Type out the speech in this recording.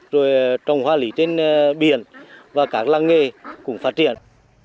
rồi trồng hoa lý trên biển và các làng nghề cũng phát triển